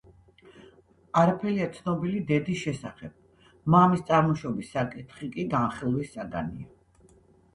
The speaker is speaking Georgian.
არაფერია ცნობილი დედის შესახებ, მამის წარმოშობის საკითხი კი, განხილვის საგანია.